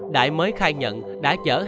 đại mới khai nhận đại đã đi cùng với chị em linh